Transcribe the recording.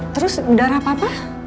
terus darah papa